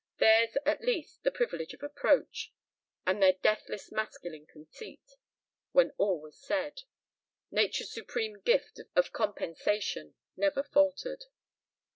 Theirs at least the privilege of approach; and their deathless masculine conceit when all was said, Nature's supreme gift of compensation never faltered.